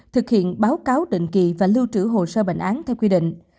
thực hiện báo cáo định kỳ và lưu trữ hồ sơ bệnh án theo quy định